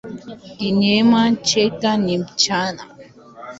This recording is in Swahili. Kinyume chake ni mchana.